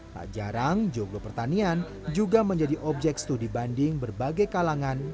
tak jarang joglo pertanian juga menjadi objek studi banding berbagai kalangan